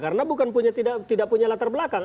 karena bukan punya latar belakang